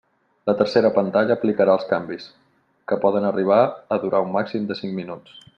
La tercera pantalla aplicarà els canvis, que poden arribar a durar un màxim de cinc minuts.